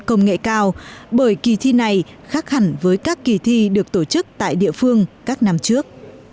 trong quy chế này khác hẳn với các kỳ thi được tổ chức tại địa phương các năm trước